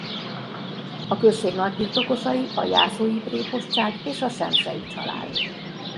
A község nagybirtokosai a jászói prépostság és a Semsey család.